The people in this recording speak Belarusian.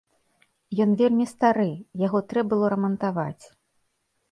Ён вельмі стары, яго трэ было рамантаваць.